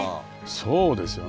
そうですよね。